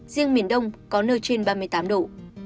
riêng miền đông có nơi trên ba mươi tám độ